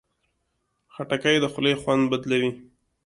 خټکی د خولې خوند بدلوي.